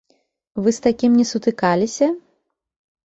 Вы з такім не сутыкаліся?